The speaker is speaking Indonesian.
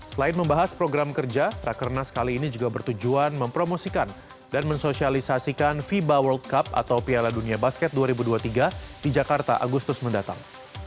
selain membahas program kerja rakernas kali ini juga bertujuan mempromosikan dan mensosialisasikan fiba world cup atau piala dunia basket dua ribu dua puluh tiga di jakarta agustus mendatang